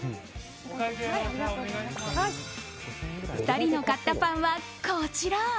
２人の買ったパンは、こちら。